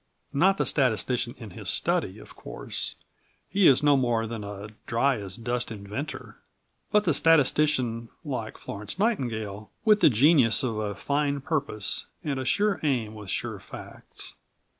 Not the statistician in his study, of course: he is no more than a dryasdust inventor. But the statistician, like Florence Nightingale, with the genius of a fine purpose and a sure aim with sure facts.